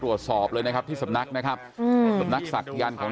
ตรวจสอบเลยนะครับที่สำนักนะครับสมนักศัตรย์ยานของ